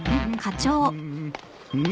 うん？